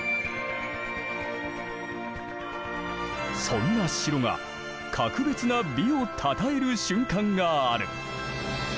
そんな城が格別な美をたたえる瞬間がある。